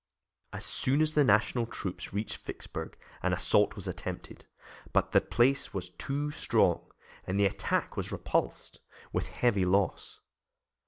As soon as the National troops reached Vicksburg an assault was attempted, but the place was too strong, and the attack was repulsed, with heavy loss.